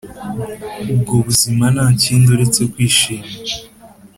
ubwo buzima ntakindi uretse kwishima